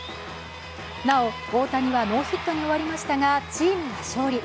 なお、大谷はノーヒットに終わりましたが、チームは勝利。